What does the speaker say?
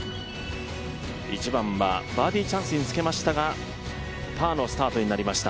１番はバーディーチャンスにつけましたが、パーのスタートになりました。